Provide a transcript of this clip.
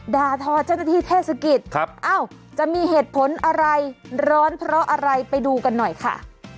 ด่าทอเจ้าหน้าที่เทศกิจจะมีเหตุผลอะไรร้อนเพราะอะไรไปดูกันหน่อยค่ะ